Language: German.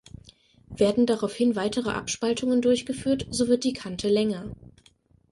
Werden daraufhin weitere Abspaltungen durchgeführt, so wird die Kante länger.